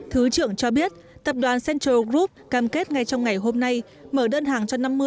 thứ trưởng cho biết tập đoàn central group cam kết ngay trong ngày hôm nay mở đơn hàng cho năm mươi